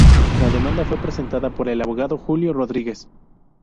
La demanda fue presentada por el abogado Julio Rodríguez.